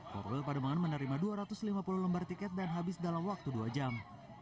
korwil pademangan menerima dua ratus lima puluh lembar tiket dan habis dalam waktu dua jam